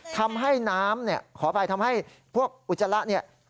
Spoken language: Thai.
ทำให้น้ำเนี่ยขออภัยทำให้พวกอุจจาระเนี่ย